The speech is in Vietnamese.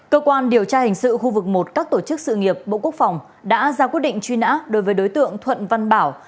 cơ quan điều tra hình sự khu vực một các tổ chức sự nghiệp bộ quốc phòng đã ra quyết định truy nã đối với đối tượng thuận văn bảo